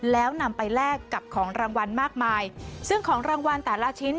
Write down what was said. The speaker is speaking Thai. แล้วนำไปแลกกับของรางวัลมากมายซึ่งของรางวัลแต่ละชิ้น